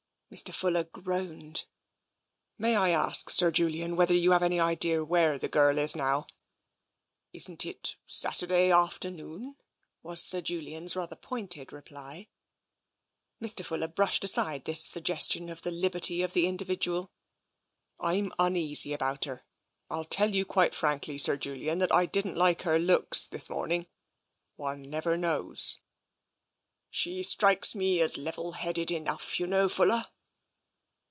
Mr. Fuller groaned. " May I ask, Sir Julian, whether you have any idea where the girl is now ?" "Isn't it Saturday afternoon?" was Sir Julian's rather pointed reply. Mr. Fuller brushed aside this suggestion of the lib erty of the individual. " Fm uneasy about her. I tell you quite frankly, Sir Julian, that I didn't like her looks this morning. One never knows." She strikes me as level headed enough, you know, Fuller."